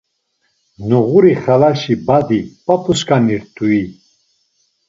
Noğuri xalaşi badi, p̌ap̌usǩanirt̆ui?